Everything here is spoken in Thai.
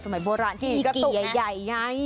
โบราณที่มีกี่ใหญ่ไง